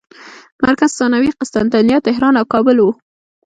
مرکز ثانوي یې قسطنطنیه، طهران او کابل وو.